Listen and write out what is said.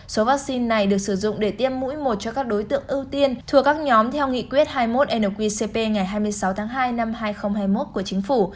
số vaccine này được sử dụng để tiêm mũi một cho các đối tượng ưu tiên thuộc các nhóm theo nghị quyết hai mươi một nqcp ngày hai mươi sáu tháng hai năm hai nghìn hai mươi một của chính phủ